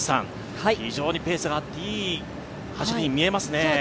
非常にペースが上って、いい走りに見えますね。